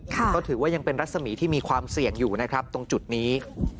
ก็ถือว่ายังเป็นรัศมีที่มีความเสี่ยงอยู่นะครับตรงจุดนี้